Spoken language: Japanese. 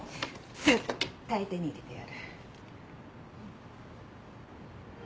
絶対手に入れてやる。